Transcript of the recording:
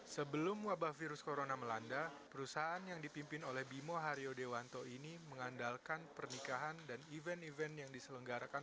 sebelum wabah virus corona melanda perusahaan yang dipimpin oleh bimo haryo dewanto ini mengandalkan pernikahan dan event event yang diselenggarakan